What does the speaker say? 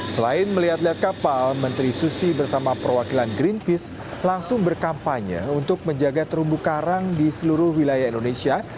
selain melihat lihat kapal menteri susi bersama perwakilan greenpeace langsung berkampanye untuk menjaga terumbu karang di seluruh wilayah indonesia